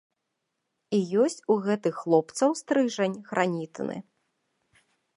І ёсць у гэтых хлопцаў стрыжань, гранітны.